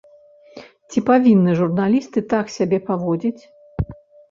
Ці павінны журналісты так сябе паводзіць?